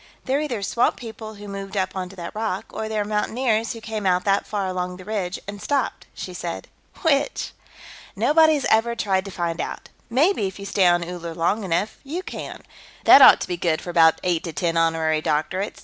"They're either swamp people who moved up onto that rock, or they're mountaineers who came out that far along the ridge and stopped," she said. "Which?" "Nobody's ever tried to find out. Maybe if you stay on Uller long enough, you can. That ought to be good for about eight to ten honorary doctorates.